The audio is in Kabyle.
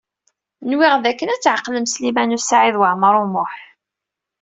Nwiɣ dakken ad tɛeqlem Sliman U Saɛid Waɛmaṛ U Muḥ.